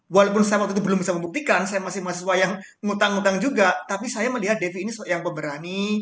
walaupun saya waktu itu belum bisa membuktikan saya masih mahasiswa yang ngutang ngutang juga tapi saya melihat devi ini yang pemberani